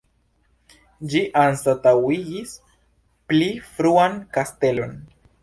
Ĝi anstataŭigis pli fruan kastelon.